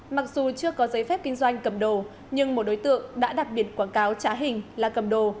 mặc dù chưa có giấy phép kinh doanh cầm đồ nhưng một đối tượng đã đặc biệt quảng cáo trá hình là cầm đồ